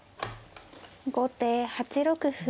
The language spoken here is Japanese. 後手８六歩。